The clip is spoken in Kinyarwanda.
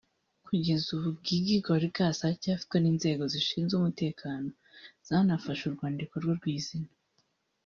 Kugeza ubu Gigi Gorgeous aracyafitwe n’inzego zishinzwe umutekano zanafashe urwandiko rwe rw’inzira